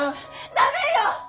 ダメよッ！！